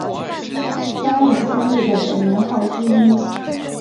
嘉永是日本的年号之一。